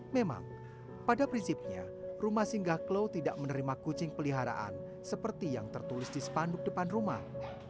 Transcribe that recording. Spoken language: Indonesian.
memang pada prinsipnya rumah singgah klau tidak menerima kucing peliharaan seperti yang tertulis di spanduk depan rumah